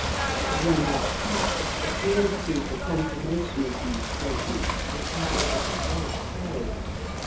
Jean Baptiste, appealed to for confirmation of these statements, replied that it was so.